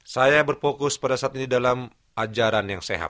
saya berfokus pada saat ini dalam ajaran yang sehat